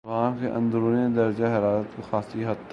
اور وہاں کے اندرونی درجہ حرارت کو خاصی حد تک